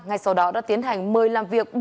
ngay sau đó đã tiến hành mời làm việc